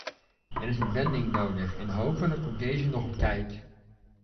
Er is een wending nodig en hopelijk komt deze nog op tijd.